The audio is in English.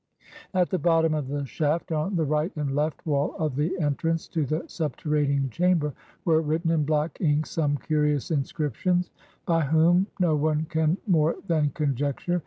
At the bottom of the shaft, on the right and left wall of the entrance to the subterranean chamber, were written in black ink some curious inscriptions. By 168 FINDING PHARAOH whom, no one can more than conjecture.